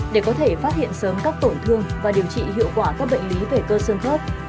để có thể phát hiện sớm các tổn thương và điều trị hiệu quả các bệnh lý về cơ xương khớp